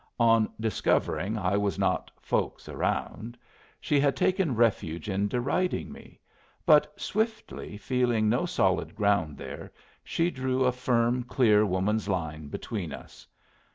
On discovering I was not "folks around," she had taken refuge in deriding me, but swiftly feeling no solid ground there, she drew a firm, clear woman's line between us.